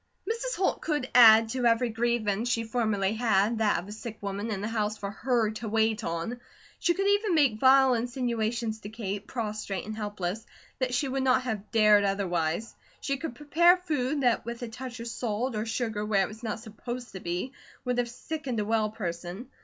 Mrs. Holt could add to every grievance she formerly had, that of a sick woman in the house for her to wait on. She could even make vile insinuations to Kate, prostrate and helpless, that she would not have dared otherwise. She could prepare food that with a touch of salt or sugar where it was not supposed to be, would have sickened a well person.